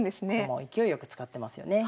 駒を勢いよく使ってますよね。